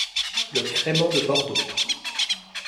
Le crémant de Bordeaux.